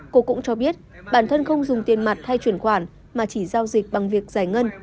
cô cũng cho biết bản thân không dùng tiền mặt hay chuyển khoản mà chỉ giao dịch bằng việc giải ngân